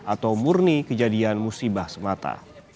atau murni kejadian musibah semata